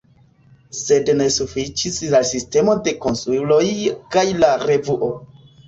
Sed ne sufiĉis la sistemo de konsuloj kaj la revuo.